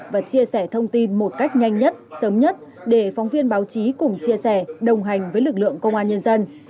và chia sẻ thông tin một cách nhanh nhất sớm nhất để phóng viên báo chí cùng chia sẻ đồng hành với lực lượng công an nhân dân